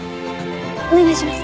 お願いします。